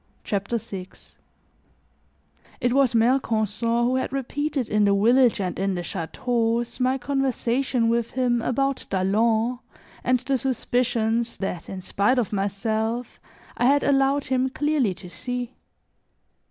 CHAPTER VI IT was Mercanson who had repeated in the village and in the chateaux my conversation with him about Dalens and the suspicions that, in spite of myself, I had allowed him clearly to see.